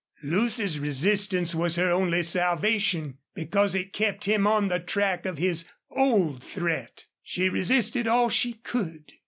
Lucy's resistance was her only salvation, because it kept him on the track of his old threat. She resisted all she could.